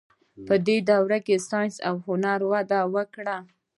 په دې دوره کې ساینس او هنر وده وکړه.